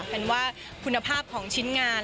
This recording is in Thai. เป็นว่าคุณภาพของชิ้นงาน